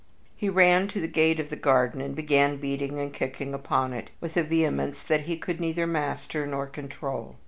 He ran to the gate of the garden and began beating and kicking upon it with a vehemence that he could neither master nor control.